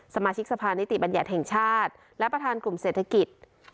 สมาชิกสภานิติบัญญัติแห่งชาติและประธานกลุ่มเศรษฐกิจ